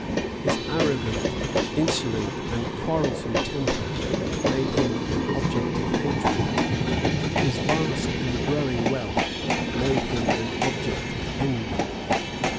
His arrogant, insolent and quarrelsome temper made him an object of hatred. His vast and growing wealth made him an object of envy.